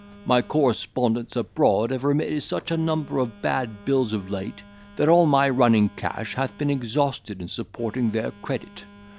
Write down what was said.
My correspondents abroad have remitted such a number of bad bills of late, that all my running cash hath been exhausted in supporting their credit.